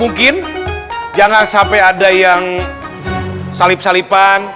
mungkin jangan sampai ada yang salip salipan